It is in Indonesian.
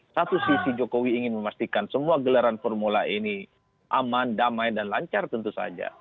satu sisi jokowi ingin memastikan semua gelaran formula ini aman damai dan lancar tentu saja